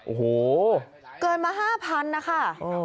โอ้โหเกินมาห้าพันนะคะโอ้